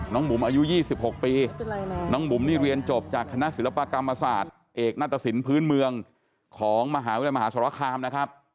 บุ๋มอายุ๒๖ปีน้องบุ๋มนี่เรียนจบจากคณะศิลปกรรมศาสตร์เอกณตสินพื้นเมืองของมหาวิทยาลัยมหาสรคามนะครับ